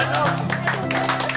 ありがとうございます。